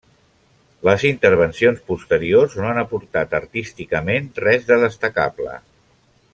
Les intervencions posteriors no han aportat artísticament res de destacable.